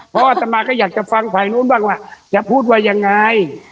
เพราะอัตมาก็อยากจะฟังฝ่ายนู้นบ้างว่าจะพูดว่ายังไง